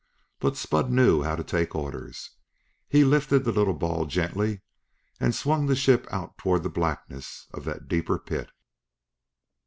But Spud knew how to take orders; he lifted the little ball gently and swung the ship out toward the blackness of that deeper pit.